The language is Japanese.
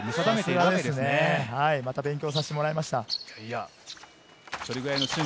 また勉強させてもらいました。